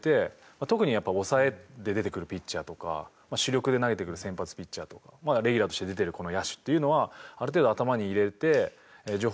特にやっぱ抑えで出てくるピッチャーとか主力で投げてくる先発ピッチャーとかレギュラーとして出てるこの野手っていうのはある程度頭に入れて情報をもらってやってますね。